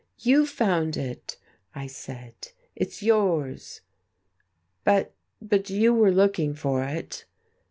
"You found it," I said, "it's yours." "But but you were looking for it."